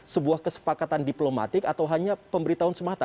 sebuah kesepakatan diplomatik atau hanya pemberitahuan semata